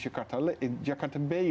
di lagu jakarta bay